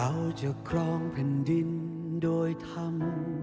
เราจะครองพันธุ์ดินโดยธรรม